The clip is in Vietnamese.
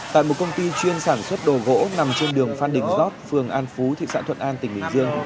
tại một công ty chuyên sản xuất đồ gỗ nằm trên đường phan đình giót phường an phú thị xã thuận an tỉnh bình dương